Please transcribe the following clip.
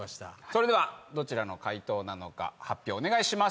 それではどちらの回答なのか発表お願いします。